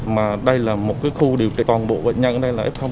mà đây là một khu điều trị toàn bộ bệnh nhân ở đây là f một